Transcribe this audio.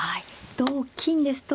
同金ですと。